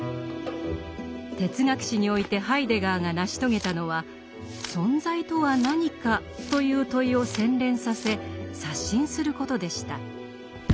哲学史においてハイデガーが成し遂げたのは「存在とは何か」という問いを洗練させ刷新することでした。